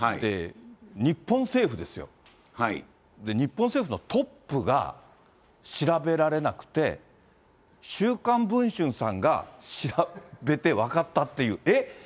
日本政府ですよ、日本政府のトップが調べられなくて、週刊文春さんが調べて分かったっていう、え？